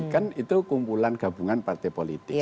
kan itu kumpulan gabungan partai politik